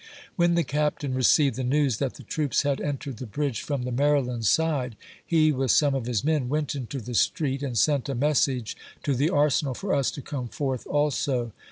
When the Captain received the news that . the troops had entered the bridge from the Maryland side, he, with some of his men, went into the street, and sent a message to the Ar senal for us to come forth also.